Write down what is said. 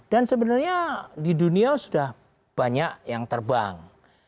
dan sebenarnya di dunia sudah banyak yang terbang